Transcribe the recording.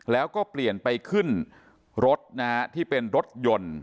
แล้วก็เปลี่ยนไปขึ้นรถนะฮะที่เป็นรถยนต์